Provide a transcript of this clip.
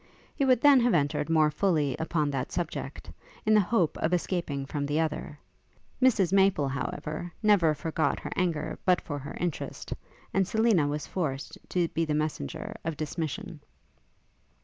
He would then have entered more fully upon that subject, in the hope of escaping from the other: Mrs Maple, however, never forgot her anger but for her interest; and Selina was forced to be the messenger of dismission.